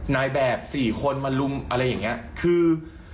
นายแบบสี่คนมาลุมอะไรอย่างนี้คือ